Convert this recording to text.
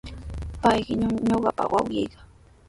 Paymi ñuqapa wawqiiqa.